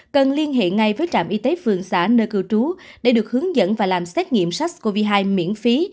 cần liên hệ ngay với trạm y tế phường xã nơi cư trú để được hướng dẫn và làm xét nghiệm sars cov hai miễn phí